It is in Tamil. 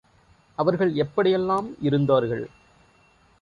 அவர்கள் எப்படி எல்லாம் இருந்தார்கள்?